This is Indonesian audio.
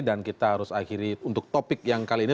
dan kita harus akhiri untuk topik yang kali ini